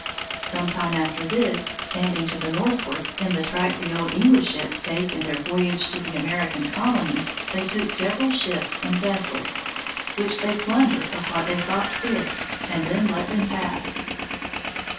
Sometime after this, standing to the northward, in the track the old English ships take in their voyage to the American colonies, they took several ships and vessels, which they plundered of what they thought fit, and then let them pass.